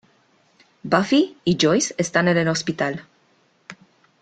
Buffy y Joyce están en el Hospital.